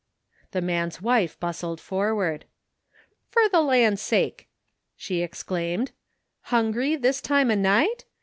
The man's wife bustled forward. " Fer the land sake !" she exclaimed, " htuigry this time o^ night?